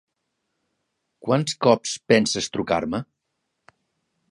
Quants cops penses trucar-me?